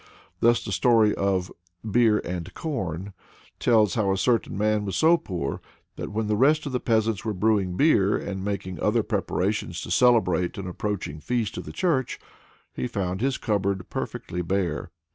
Thus the story of "Beer and Corn" tells how a certain man was so poor that when the rest of the peasants were brewing beer, and making other preparations to celebrate an approaching feast of the Church, he found his cupboard perfectly bare.